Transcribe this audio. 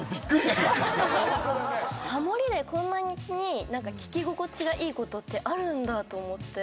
ハモりでこんなに聞き心地がいいことってあるんだと思って。